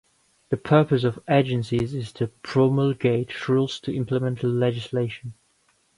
The purpose of agencies is to promulgate rules to implement legislation.